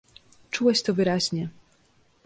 "Czułeś to wyraźnie."